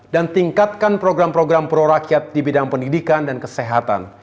dan tingkatkan program program prorakyat di bidang pendidikan dan kesehatan